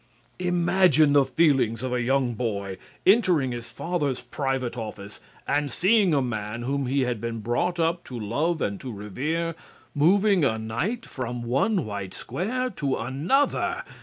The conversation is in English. Imagine the feelings of a young boy entering his father's private office and seeing a man whom he had been brought up to love and to revere moving a Knight from one white square to another.